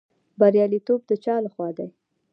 بریالیتوب د چا لخوا دی؟